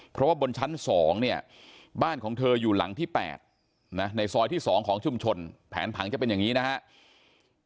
เพราะว่าบนชั้น๒เนี่ยบ้านของเธออยู่หลังที่๘ในซอยที่๒ของชุมชนแผนผังจะเป็นอย่างนี้นะครับ